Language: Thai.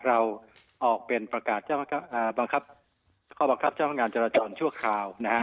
เราออกเป็นประกาศข้อบังคับเจ้าพชรุงงานจราจรชั่วคร่าว